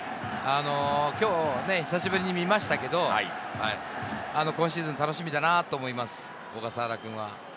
今日久しぶりに見ましたけど、今シーズン楽しみだなぁと思います、小笠原君が。